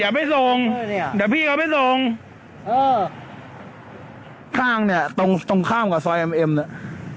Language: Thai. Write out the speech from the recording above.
อย่าไปส่งเนี้ยเดี๋ยวพี่เขาไปส่งเออข้างเนี้ยตรงตรงข้ามกับซอยอำเอ็มน่ะ